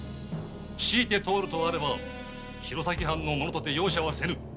強いて通るとあれば弘前藩の者とて容赦せぬ！